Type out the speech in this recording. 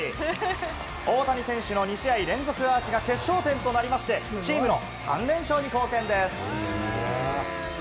大谷選手の２試合連続アーチが決勝点となりまして、チームの３連勝に貢献です。